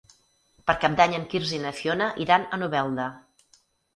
Per Cap d'Any en Quirze i na Fiona iran a Novelda.